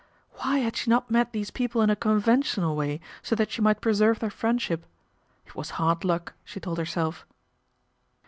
Why had she not met these people in a conventional way so that she might preserve their friendship ? It was hard luck, she told herself.